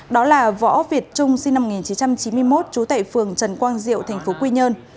đó là võ việt trung sinh năm một nghìn chín trăm chín mươi một trú tại phường trần quang diệu tp quy nhơn